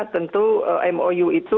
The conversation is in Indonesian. tentu mou itu